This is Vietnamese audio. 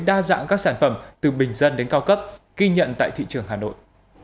hướng dẫn các sản phẩm từ bình dân đến cao cấp ghi nhận tại thị trường hà nội